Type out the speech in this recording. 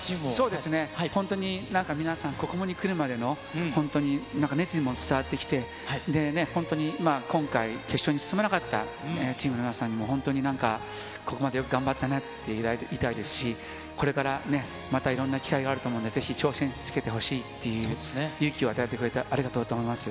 そうですね、本当になんか皆さん、ここに来るまでの本当になんか熱意も伝わってきて、本当に今回、決勝に進めなかったチームの皆さんにも、本当になんか、ここまでよく頑張ったねって言いたいですし、これからまたいろんな機会があると思うので、ぜひ挑戦し続けてほしいっていう、勇気を与えてくれてありがとうと思います。